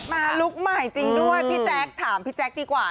ลุคใหม่จริงด้วยพี่แจ๊คถามพี่แจ๊คดีกว่า